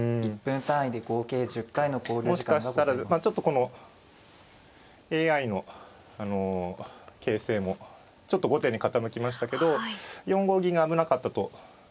もしかしたらまあちょっとこのＡＩの形勢もちょっと後手に傾きましたけど４五銀が危なかったと見ているんですね。